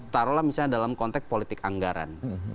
taruhlah misalnya dalam konteks politik anggaran